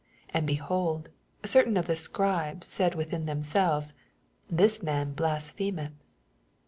3 And, benold, certain of toe Scribes said within themselves. This man blasphemeth.